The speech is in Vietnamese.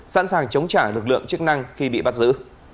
sẵn sàng chống trả lực lượng chức năng khi bị bắt giữ